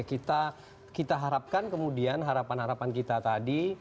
kita harapkan kemudian harapan harapan kita tadi